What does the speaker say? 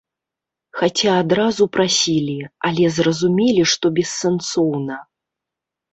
Хаця адразу прасілі, але зразумелі, што бессэнсоўна.